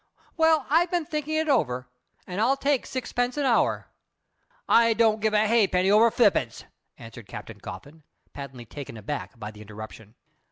Well, I've been thinkin' it over, and I'll take sixpence an hour." "I don't give a ha'penny over fippence," answered Captain Coffin, patently taken aback by the interruption.